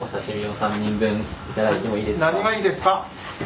何がいいですか？